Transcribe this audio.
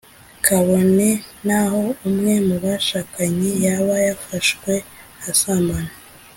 kabone naho umwe mu bashakanye yaba yafashwe asambana